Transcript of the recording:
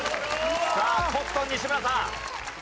さあコットン西村さん。